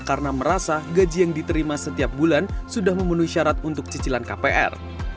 karena merasa gaji yang diterima setiap bulan sudah memenuhi syarat untuk cicilan kpr